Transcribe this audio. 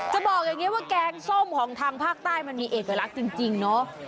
บอกอย่างนี้ว่าแกงส้มของทางภาคใต้มันมีเอกลักษณ์จริงเนาะ